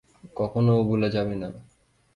কখনও ভুলে যাবি না।